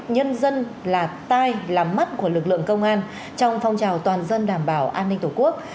nhân dân là tai làm mắt của lực lượng công an trong phong trào toàn dân đảm bảo an ninh tổ quốc